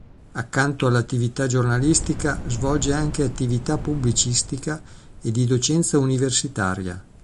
Accanto all'attività giornalistica, svolge anche attività pubblicistica e di docenza universitaria.